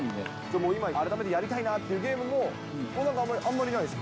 もう今、改めてやりたいなっていうゲームも、あんまりないですか？